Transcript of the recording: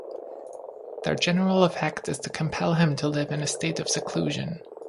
Their general effect is to compel him to live in a state of seclusion.